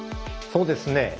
そうですね。